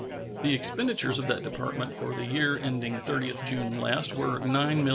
The expenditures of that Department for the year ending 30th June last were $9,060,268.